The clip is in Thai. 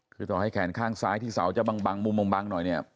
คือต่อให้แขนข้างซ้ายที่เสาจะบังมุมบังหน่อยเนี่ย